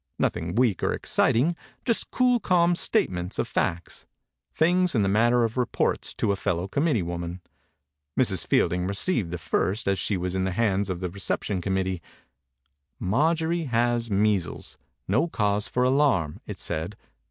Nothing weak or ex citing; just cool, calm statements of facts. Things in the manner of reports to a fellow committee woman. Mrs. Fielding received the first as she was in the hands of the reception committee. 70 THE INCUBATOR BABY "Marjorie has measles. No cause for alarm," it said.